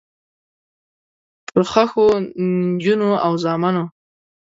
پرښخو، نجونو او زامنو